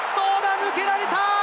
抜けられた。